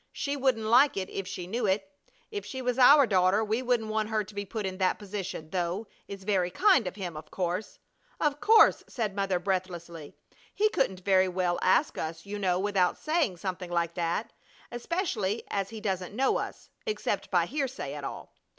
She wouldn't like it if she knew it. If she was our daughter we wouldn't want her to be put in that position, though it's very kind of him of course " "Of course!" said Mother, breathlessly. "He couldn't very well ask us, you know, without saying something like that, especially as he doesn't know us, except by hearsay, at all."